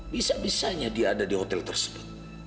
bisa bisanya dia ada di hotel tersebut